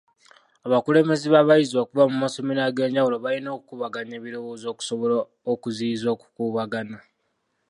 Abakulembeze b'abayizi okuva mu masomero ag'enjawulo balina okukubaganya ebirowoozo okusobola okuziyiza okukubagana.